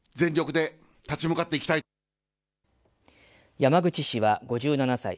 山口氏は５７歳。